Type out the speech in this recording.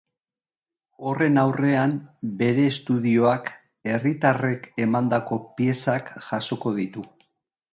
Horren aurrean, bere estudioak herritarrek emandako piezak jasoko ditu.